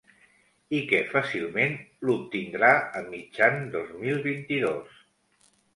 I que fàcilment l’obtindrà a mitjan dos mil vint-i-dos.